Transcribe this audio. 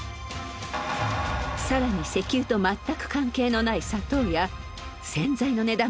更に石油と全く関係のない砂糖や洗剤の値段まで高騰。